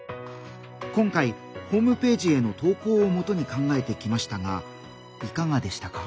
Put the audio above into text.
今回ホームページへの投稿をもとに考えてきましたがいかがでしたか？